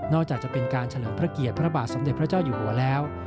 จะเป็นการเฉลิมพระเกียรติพระบาทสมเด็จพระเจ้าอยู่หัวแล้ว